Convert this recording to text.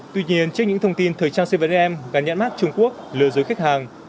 tuy nhiên trước những thông tin thời trang bảy am gắn nhãn mắt trung quốc lượt dối khách hàng